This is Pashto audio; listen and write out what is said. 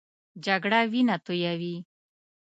جګړه وینه تویوي